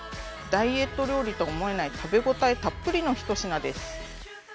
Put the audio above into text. ダイエット料理と思えない食べ応えたっぷりの１品です。